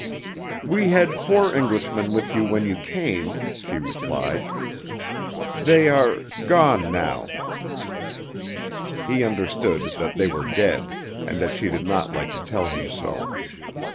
"We had four Englishmen with you when you came," she replied. "They are gone now." He understood that they were dead, and that she did not like to tell him so.